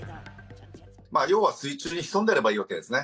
要は水中に潜んでいればいいわけですね。